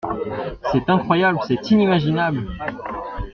C’est incroyable, c’est inimaginable !